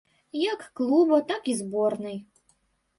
Як клуба, так і зборнай.